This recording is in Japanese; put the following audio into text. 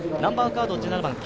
１７番九